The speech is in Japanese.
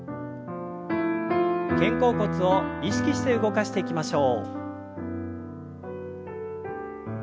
肩甲骨を意識して動かしていきましょう。